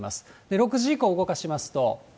６時以降動かしますと。